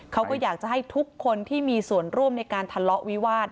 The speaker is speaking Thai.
เขาก็อยากจะให้ทุกคนที่มีส่วนร่วมในการทะเลาะวิวาส